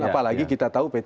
apalagi kita tahu p tiga